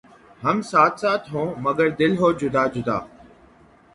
ھم ساتھ ساتھ ہوں مگر دل ہوں جدا جدا